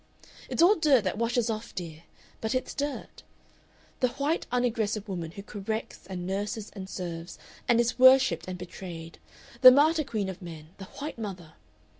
"It's all dirt that washes off, dear, but it's dirt. "The white unaggressive woman who corrects and nurses and serves, and is worshipped and betrayed the martyr queen of men, the white mother....